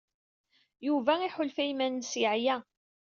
Yuba iḥulfa i yiman-nnes yeɛya.